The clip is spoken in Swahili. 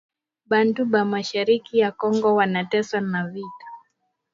Batu ba mashariki ya kongo wana teswa na vita